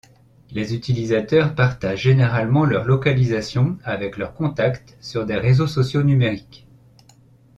Les utilisateurs partagent généralement leur localisation avec leurs contacts sur des réseaux sociaux numériques.